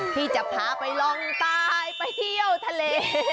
ที่จะพาไปลองตายไปเที่ยวทะเล